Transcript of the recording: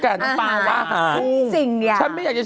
ลาไปทำกับข้าวตาม